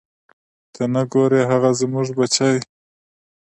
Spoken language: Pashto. ته نه ګورې هغه زموږ بچی.